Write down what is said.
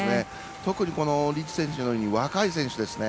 特にジッリ選手のように若い選手ですね。